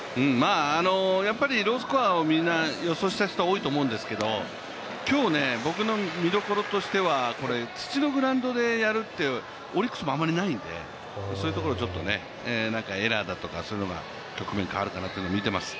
ロースコアを予想した人が多いと思うんですけど、今日、僕の見どころとしては土のグラウンドでやるってオリックスもあまりないので、そういうところちょっとねエラーだとか、そういうのが局面変わるかなとみています。